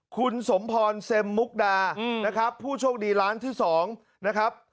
คุณสมพรเซ็มมุกดานะครับผู้โชคดีร้านที่๒นะครับ